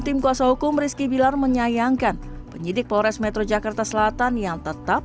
tim kuasa hukum rizky bilar menyayangkan penyidik polres metro jakarta selatan yang tetap